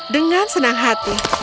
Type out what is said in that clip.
dengan senang hati